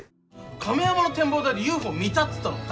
亀山の展望台でＵＦＯ見たっつったの誰？